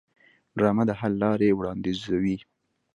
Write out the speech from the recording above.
ډرامه د حل لارې وړاندیزوي